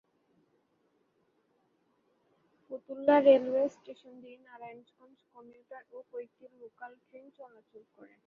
Fatullah railway station দিয়ে Narayanganj commuter ও কয়েকটি লোকাল ট্রেন চলাচল করে।